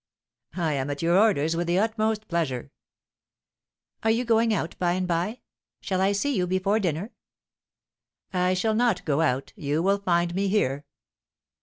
"I am at your orders with the utmost pleasure." "Are you going out by and by? Shall I see you before dinner?" "I shall not go out; you will find me here."